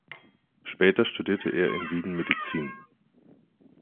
Später studierte er in Wien Medizin.